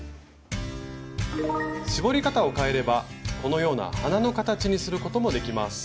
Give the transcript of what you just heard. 絞り方を変えればこのような花の形にすることもできます。